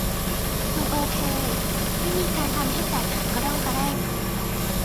มันโอเค ไม่มีการทำให้แตกหักกะร่องกะแร่ง